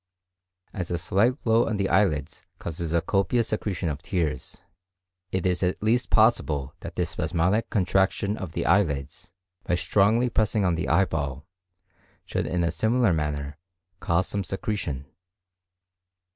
As a slight blow on the eyelids causes a copious secretion of tears, it is at least possible that the spasmodic contraction of the eyelids, by pressing strongly on the eyeball, should in a similar manner cause some secretion.